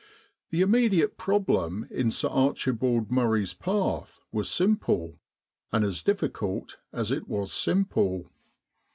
The immediate problem in Sir Archibald Murray's path was simple, and as difficult as it was simple.